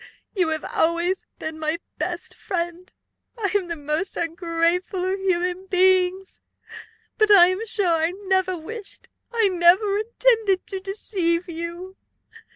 You have always been my best friend! I am the most ungrateful of human beings! But I am sure I never wished, I never intended, to deceive you.